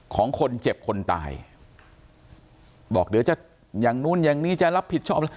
ของคนเจ็บคนตายบอกเดี๋ยวจะอย่างนู้นอย่างนี้จะรับผิดชอบ